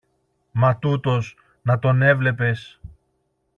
Μα τούτος! Να τον έβλεπες!